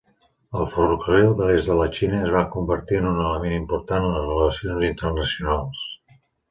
El ferrocarril de l'est de la Xina es va convertir en un element important en les relacions internacionals.